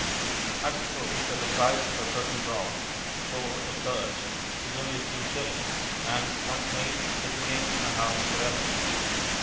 I suppose that the price of a curtain rod (pole or perch) is only a few shillings, and, once made, it remains in a house for ever.